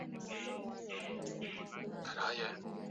mtu anaweza kuwa na virusi vya ukimwi asitambue